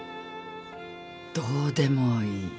どうでもいい。